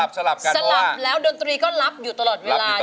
สลับกันสลับแล้วดนตรีก็รับอยู่ตลอดเวลา